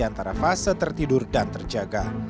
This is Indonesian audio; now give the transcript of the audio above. antara fase tertidur dan terjaga